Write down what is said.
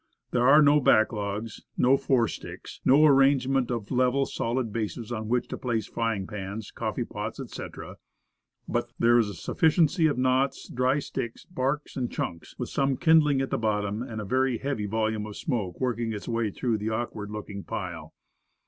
There are no back logs, no fore sticks, and no arrangements for level, solid bases on which to place frying pans, coffee pots, etc. But, there is a sufficiency of knots, dry sticks, bark and chunks, with some kindling at the bottom, and a heavy volume of smoke working its way through the awkward looking pile.